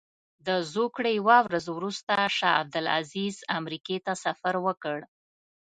د زوکړې یوه ورځ وروسته شاه عبدالعزیز امریکې ته سفر وکړ.